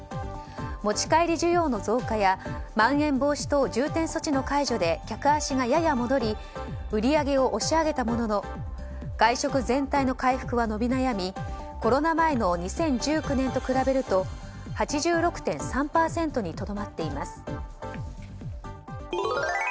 持ち帰り需要の増加やまん延防止等重点措置の解除で客足がやや戻り売り上げを押し上げたものの外食全体の回復は伸び悩みコロナ前の２０１９年と比べると８６．３％にとどまっています。